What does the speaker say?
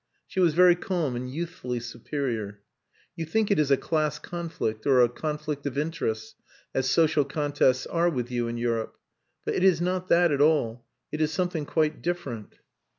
She was very calm and youthfully superior. "You think it is a class conflict, or a conflict of interests, as social contests are with you in Europe. But it is not that at all. It is something quite different."